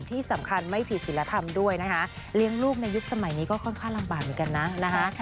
ที่สำคัญไม่ผิดศิลธรรมด้วยนะคะเลี้ยงลูกในยุคสมัยนี้ก็ค่อนข้างลำบากเหมือนกันนะนะคะ